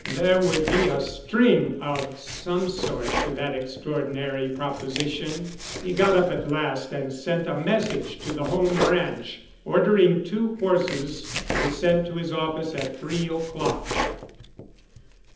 There would be a string of some sort to that extraordinary proposition. He got up at last and sent a message to the Home Ranch, ordering two horses to be sent to his office at three o'clock.